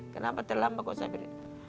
kenapa terlambat kok saya bilang